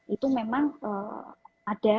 itu memang ada